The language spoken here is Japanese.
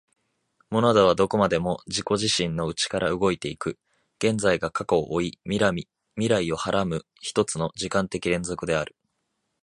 モナドはどこまでも自己自身の内から動いて行く、現在が過去を負い未来を孕はらむ一つの時間的連続である。